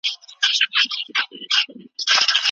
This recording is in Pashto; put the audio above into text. شریف غواړي چې زوی یې ښه تعلیم وکړي.